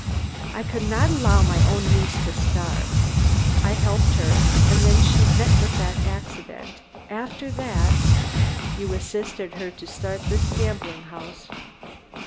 "I could not allow my own niece to starve. I helped her, and then she met with the accident. After that " "You assisted her to start this gambling house."